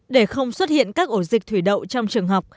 để không xuất hiện các ổ dịch thủy đậu trong trường học